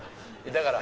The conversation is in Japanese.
だから。